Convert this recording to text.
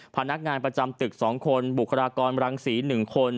พนักงานประจำตึก๒คนบุคลากรรังศรี๑คน